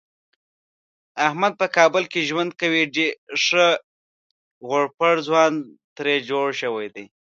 احمد په کابل کې ژوند کوي ښه غوړپېړ ځوان ترې جوړ شوی دی.